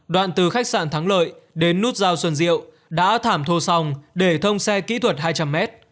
đoạn từ khách sạn thắng lợi đến nút giao xuân diệu đã thảm thô xong để thông xe kỹ thuật hai trăm linh mét